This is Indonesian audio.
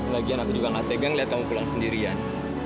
lagian aku juga gak tegang lihat kamu pulang sendirian